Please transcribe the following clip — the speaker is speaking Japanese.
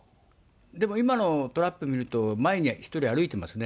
でも今のタラップ見ると、前に１人歩いてますね。